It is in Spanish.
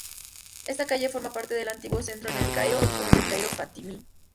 Esta calle forma parte del antiguo centro de El Cairo o El Cairo fatimí.